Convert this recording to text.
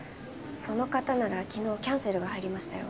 その方なら昨日キャンセルが入りましたよ。